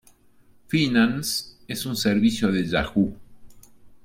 Finance es un servicio de Yahoo!